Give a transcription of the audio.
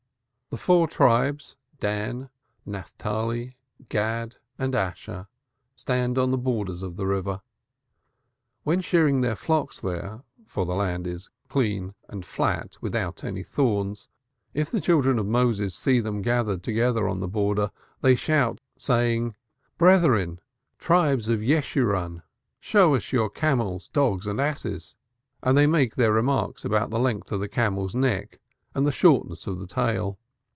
The four tribes, Dan, Naphtali, Gad and Asher, stand on the borders of the river. When shearing their flocks here, for the land is flat and clean without any thorns, if the children of Moses see them gathered together on the border they shout, saying, 'Brethren, tribes of Jeshurun, show us your camels, dogs and asses,' and they make their remarks about the length of the camel's neck and the shortness of the tail.